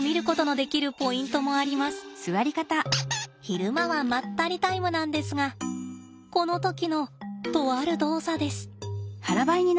昼間はまったりタイムなんですがこの時のとある動作です。